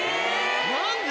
何で⁉